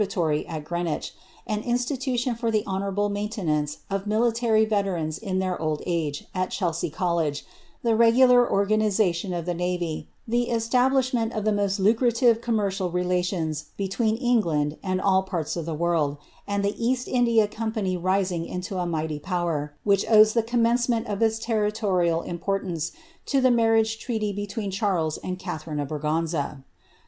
335 tlie Obsenratory at Greenwich, an inititution for the honourable mainte nance of military Teterana in their old age at Chelsea Ck>llege, the regu lar Organization of the navy, the establishment of the most lucrative commercial relations between England and all parts of the world, and the East India Company rising into a mighty power, which owes the commencement of its territorial importance to the marriage treaty be tween Charles and Catharine of Braganza.